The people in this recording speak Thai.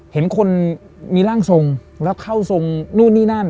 เห็นคนมีร่างทรงแล้วเข้าทรงนู่นนี่นั่น